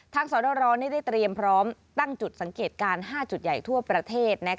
สรได้เตรียมพร้อมตั้งจุดสังเกตการณ์๕จุดใหญ่ทั่วประเทศ